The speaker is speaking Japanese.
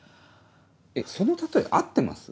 えっその例え合ってます？